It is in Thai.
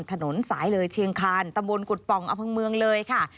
ถนนสายเลยเชียงคาญตะบุญกุฎปองอภังเมืองเลยค่ะ